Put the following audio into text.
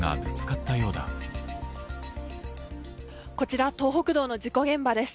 こちら東北道の事故現場です。